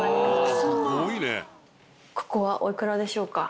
ここはお幾らでしょうか？